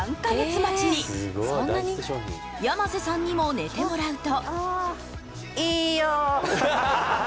山瀬さんにも寝てもらうと。